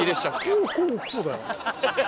こうこうこうだよ。